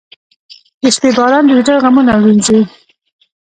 • د شپې باران د زړه غمونه وینځي.